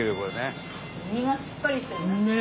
身がしっかりしてるね。